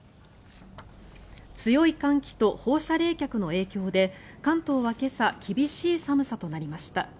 強い寒気と放射冷却の影響で関東は今朝厳しい寒さとなりました。